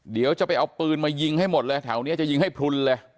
เดี๋ยวจะไปเอาปืนมายิงให้หมดเลยแถวนี้จะยิงให้พลุนเลย